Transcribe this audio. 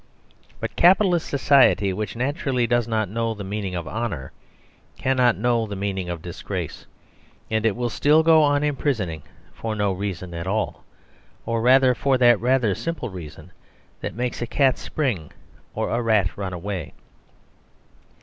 But capitalist society, which naturally does not know the meaning of honour, cannot know the meaning of disgrace: and it will still go on imprisoning for no reason at all. Or rather for that rather simple reason that makes a cat spring or a rat run away.